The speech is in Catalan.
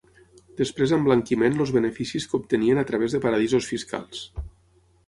Després emblanquiment els beneficis que obtenien a través de paradisos fiscals.